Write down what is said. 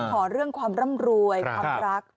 ขอเรื่องความร่ำรวยความรัก